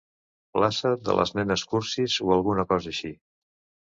Plaça de les nenes cursis o alguna cosa així.